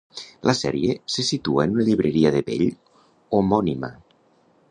La sèrie se situa en una llibreria de vell homònima.